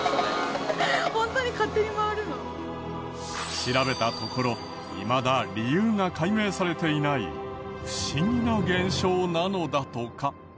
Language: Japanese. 調べたところいまだ理由が解明されていない不思議な現象なのだとか。